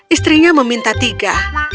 istrinya meminta tiga